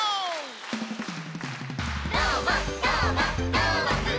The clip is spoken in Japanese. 「どーもどーもどーもくん！」